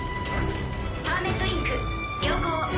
パーメットリンク良好。